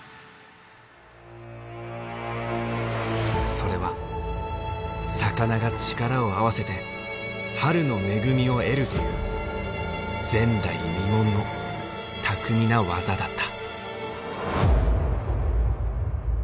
それは魚が力を合わせて春の恵みを得るという前代未聞の巧みな技だった。